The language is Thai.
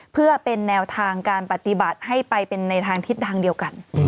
เพื่อเป็นแนวทางการปฏิบัติให้ไปเป็นในทางทิศทางเดียวกัน